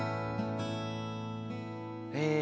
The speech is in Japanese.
へえ。